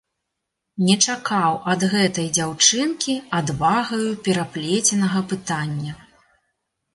Не чакаў ад гэтай дзяўчынкі адвагаю пераплеценага пытання.